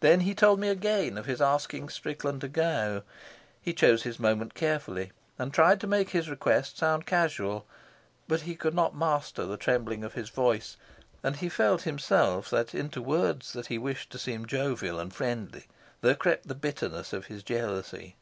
Then he told me again of his asking Strickland to go. He chose his moment carefully, and tried to make his request sound casual; but he could not master the trembling of his voice; and he felt himself that into words that he wished to seem jovial and friendly there crept the bitterness of his jealousy.